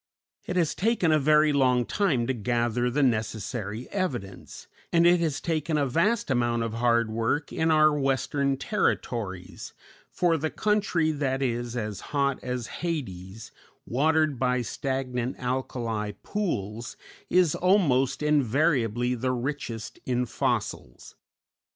It has taken a very long time to gather the necessary evidence, and it has taken a vast amount of hard work in our western Territories, for "the country that is as hot as Hades, watered by stagnant alkali pools, is almost invariably the richest in fossils."